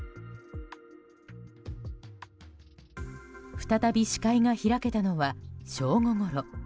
再び視界が開けたのは正午ごろ。